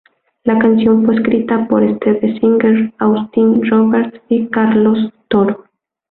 La canción fue escrita por Steve Singer, Austin Roberts y Carlos Toro.